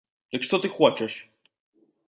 Дык што ты хочаш?